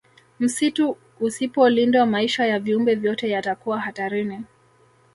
Msitu usipolindwa maisha ya viumbe vyote yatakuwa hatarini